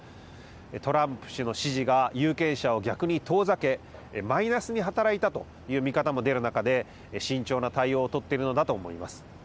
トランプ氏の支持が有権者を逆に遠ざけマイナスに働いたという見方も出る中で慎重な対応を取っているのだと思います。